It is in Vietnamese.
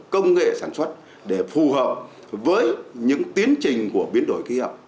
công nghệ sản xuất để phù hợp với những tiến trình của biến đổi khí hậu